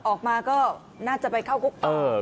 ออกมาก็น่าจะไปเข้าคุกต่อ